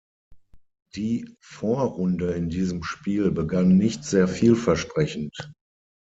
Die Vorrunde in diesem Spiel begann nicht sehr vielversprechend.